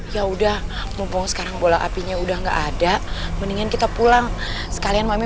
ya udah sekarang bola apinya udah enggak ada mendingan kita pulang sekalian mami